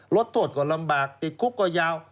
ลดโทษก็ลำบากติดคุกก็ยาว